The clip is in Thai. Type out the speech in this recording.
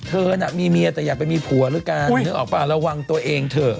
เธอน่ะมีเมียแต่อย่าไปมีผัวแล้วกันนึกออกป่ะระวังตัวเองเถอะ